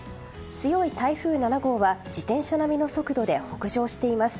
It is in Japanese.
強い台風７号は自転車並みの速度で北上しています。